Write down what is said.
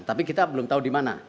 tapi kita belum tahu dimana